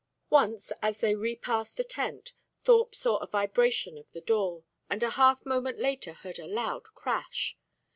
Once, as they repassed a tent, Thorpe saw a vibration of the door, and a half moment later heard a loud crash.